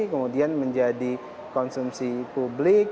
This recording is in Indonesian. kemudian menjadi konsumsi publik